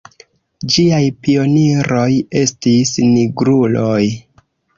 Ĝiaj pioniroj estis nigruloj.